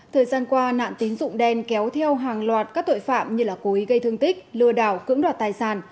thời gian qua nạn tín dụng đen kéo theo hàng loạt các tội phạm như cố ý gây thương tích lừa đảo cưỡng đoạt tài sản